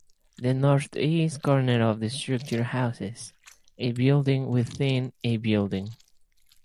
The northeast corner of the structure houses a building within a building.